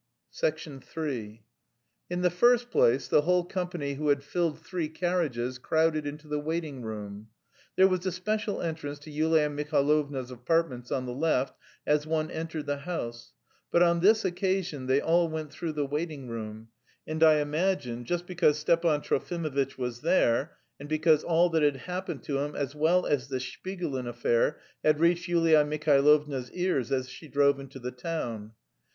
III In the first place, the whole company who had filled three carriages crowded into the waiting room. There was a special entrance to Yulia Mihailovna's apartments on the left as one entered the house; but on this occasion they all went through the waiting room and I imagine just because Stepan Trofimovitch was there, and because all that had happened to him as well as the Shpigulin affair had reached Yulia Mihailovna's ears as she drove into the town.